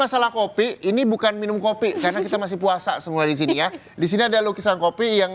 masalah kopi ini bukan minum kopi karena kita masih puasa semua disini ya disini ada lukisan kopi yang